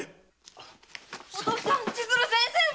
お父っつぁん千鶴先生も。